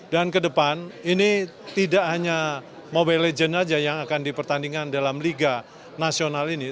dan ke depan ini tidak hanya mobile legends saja yang akan dipertandingkan dalam liga nasional ini